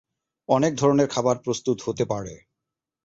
অনেক ধরনের খাবার প্রস্তুত হতে পারে।